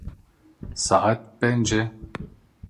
Saet pênc e.